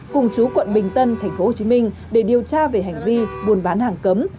cùng chú quận bình tân thành phố hồ chí minh để điều tra về hành vi buôn bán hàng cấm